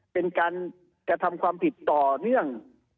เป็นการกระทำความผิดต่อเนื่อง